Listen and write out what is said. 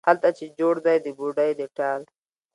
هلته چې جوړ دی د بوډۍ د ټال،